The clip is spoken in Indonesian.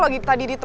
masuk kuliah dulu